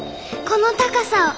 この高さを！